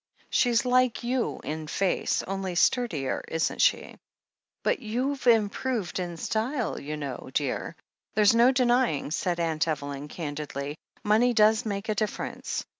She's like you in face, only sturdier, isn't she? But you've improved in style, you know, dear. There's no denying," said Aunt Evelyn candidly, "money does make a difference.